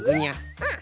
うん。